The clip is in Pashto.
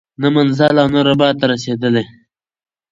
نه منزل او نه رباط ته رسیدلی